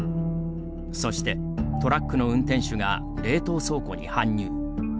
そしてトラックの運転手が冷凍倉庫に搬入。